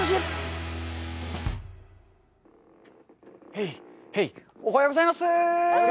ヘイ、ヘイ、おはようございます！